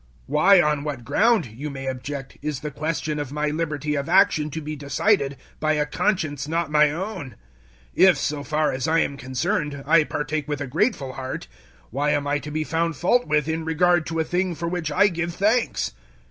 "Why, on what ground," you may object, "is the question of my liberty of action to be decided by a conscience not my own? 010:030 If, so far as I am concerned, I partake with a grateful heart, why am I to be found fault with in regard to a thing for which I give thanks?"